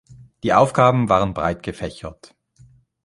Die Aufgaben waren breit gefächert.